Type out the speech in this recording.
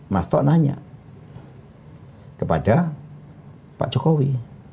mas tok bertanya kepada pak jokowi